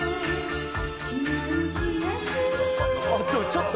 ちょっと